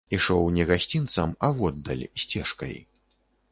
Ішоў не гасцінцам, а воддаль, сцежкай.